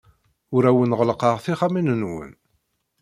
Ur awen-ɣellqeɣ tixxamin-nwen.